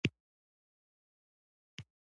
کله کله به یې پاس کتل رب ته به یې زارۍ کولې.